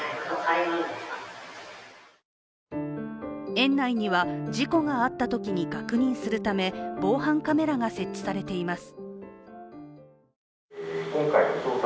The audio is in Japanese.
園内には、事故があったときに確認するため防犯カメラが設置されています。